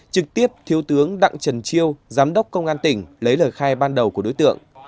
trực tiếp thiếu tướng đặng trần chiêu giám đốc công an tỉnh lấy lời khai ban đầu của đối tượng